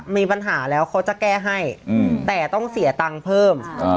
มีปัญหาแล้วเขาจะแก้ให้แต่ต้องเสียตังค์เพิ่ม